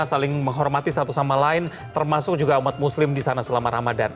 saling menghormati satu sama lain termasuk juga umat muslim di sana selama ramadan